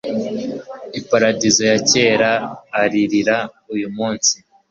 Iparadizo ya kera aririra uyumunsi